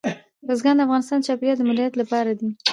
بزګان د افغانستان د چاپیریال د مدیریت لپاره دي.